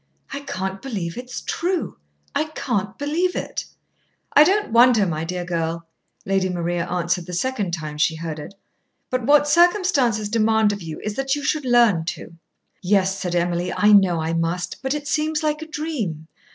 "I can't believe it is true! I can't believe it!" "I don't wonder, my dear girl," Lady Maria answered the second time she heard it. "But what circumstances demand of you is that you should learn to." "Yes," said Emily, "I know I must. But it seems like a dream.